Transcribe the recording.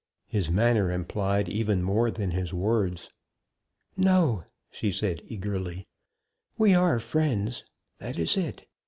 His manner implied even more than his words. "No!" she said, eagerly. "We are friends. That is it.